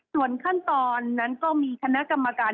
ส่วนขั้นตอนนั้นก็มีคณะกรรมการ